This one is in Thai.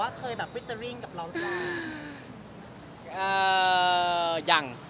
คนที่เคยแบบวิทยาลิงกับเราจน